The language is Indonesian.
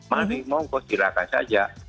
mari mongkos silakan saja